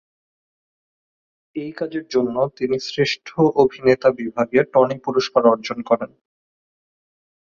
এই কাজের জন্য তিনি শ্রেষ্ঠ অভিনেতা বিভাগে টনি পুরস্কার অর্জন করেন।